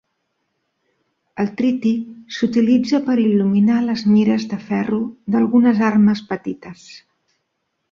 El triti s'utilitza per il·luminar les mires de ferro d'algunes armes petites.